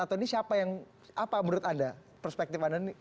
atau ini siapa yang apa menurut anda perspektif anda ini